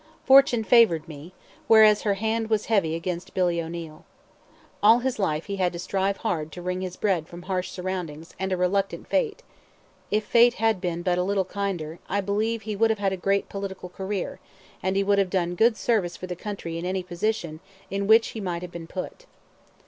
Fortune favored me, whereas her hand was heavy against Billy O'Neill. All his life he had to strive hard to wring his bread from harsh surroundings and a reluctant fate; if fate had been but a little kinder, I believe he would have had a great political career; and he would have done good service for the country in any position in which he might have been put.